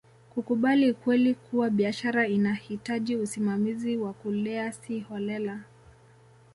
kukubali ukweli kuwa biashara inahitaji usimamizi wa kulea si holela